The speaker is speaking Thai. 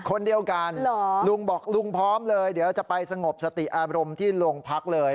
คนเดียวกันลุงบอกลุงพร้อมเลยเดี๋ยวจะไปสงบสติอารมณ์ที่โรงพักเลย